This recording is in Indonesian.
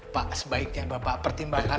pak sebaiknya bapak pertimbangkan